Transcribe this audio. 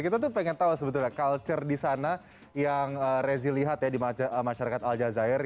kita tuh pengen tahu sebetulnya culture di sana yang rezi lihat ya di masyarakat al jazair